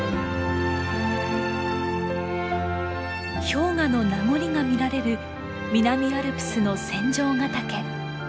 氷河の名残が見られる南アルプスの仙丈ヶ岳。